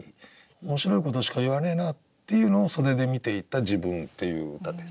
面白いことしか言わねえなっていうのを袖で見ていた自分っていう歌です。